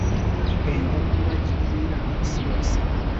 kwenda kuba gikwira ku isi yose